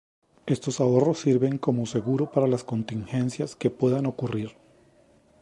Estos ahorros sirven como seguro para las contingencias que puedan ocurrir.